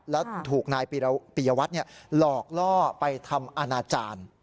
แล้วถูกนายปียวัตรหลอกล่อไปทำอนาจารย์